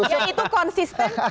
yang itu konsisten